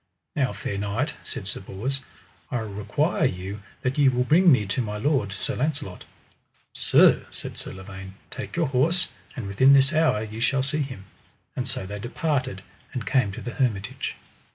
Now fair knight, said Sir Bors, I require you that ye will bring me to my lord, Sir Launcelot. Sir, said Sir Lavaine, take your horse, and within this hour ye shall see him. And so they departed, and came to the hermitage.